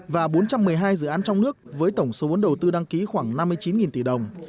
và bốn trăm một mươi hai dự án trong nước với tổng số vốn đầu tư đăng ký khoảng năm mươi chín tỷ đồng